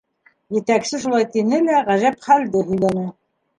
— Етәксе шулай тине лә ғәжәп хәлде һөйләне.